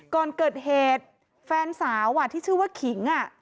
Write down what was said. ก่อนเกิดเหตุแฟนสาวที่ชื่อว่าขิง